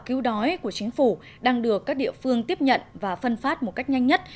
cứu đói của chính phủ đang được các địa phương tiếp nhận và phân phát một cách nhanh nhất